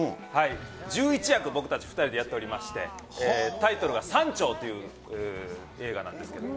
１１役、僕たち２人でやっておりまして、タイトルがサンチョーという映画なんですけども。